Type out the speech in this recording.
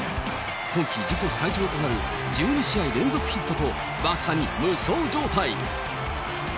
今季自己最長となる、１２試合連続ヒットと、まさに無双状態。